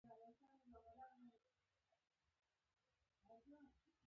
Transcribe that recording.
د مذاکره کوونکو ځانګړتیاوې او مهارتونه اغیز لري